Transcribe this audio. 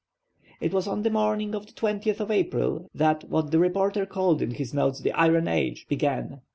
It was on the morning of the 20th of April that what the reporter called in his notes the "iron age" began.